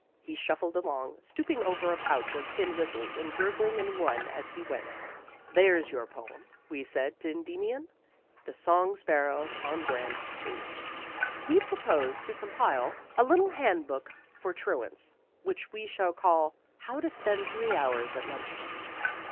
He shuffled along, stooping over a pouch of tin whistles and gurgling in one as he went. There's your poem, we said to Endymion "The Song Sparrow on Grand Street." We propose to compile a little handbook for truants, which we shall call "How to Spend Three Hours at Lunch Time."